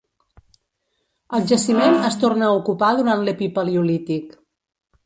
El jaciment es torna a ocupar durant l'epipaleolític.